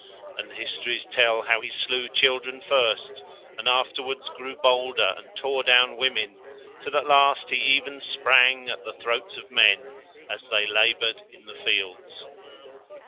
And the histories tell how he slew children first and afterwards grew bolder and tore down women, till at last he even sprang at the throats of men as they laboured in the fields.